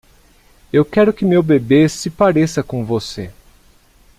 Eu quero que meu bebê se pareça com você.